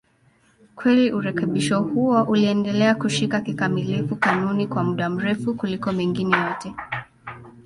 Kweli urekebisho huo uliendelea kushika kikamilifu kanuni kwa muda mrefu kuliko mengine yote.